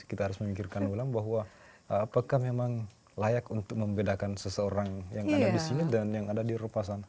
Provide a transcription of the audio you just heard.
kita harus memikirkan ulang bahwa apakah memang layak untuk membedakan seseorang yang ada di sini dan yang ada di eropa sana